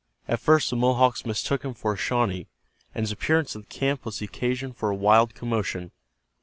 At first the Mohawks mistook him for a Shawnee, and his appearance in the camp was the occasion for a wild commotion.